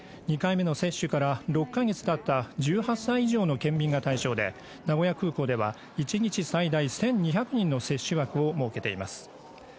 ２回目の接種から６か月たった１８歳以上の県民が対象で名古屋空港では１日最大１２００人の接種枠を設けています